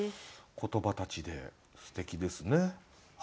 言葉たちですてきですね。